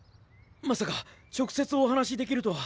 まさか直接お話しできるとは。